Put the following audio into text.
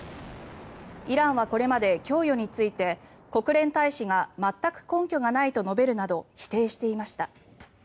イランはこれまで供与について国連大使が全く根拠がないと述べるなど否定していました。